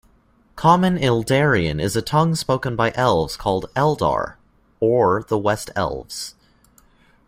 Common Eldarin is a tongue spoken by Elves called Eldar or the West-Elves.